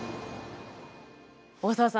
大沢さん